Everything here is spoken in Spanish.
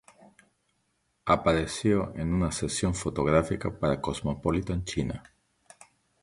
Apareció en una sesión fotográfica para "Cosmopolitan China".